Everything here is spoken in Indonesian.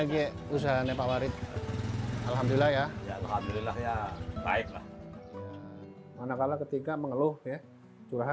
jit terpilih menjalankan tugas sebagai manajer unit usaha